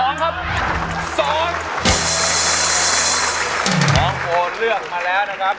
น้องโพเลือกมาแล้วนะครับ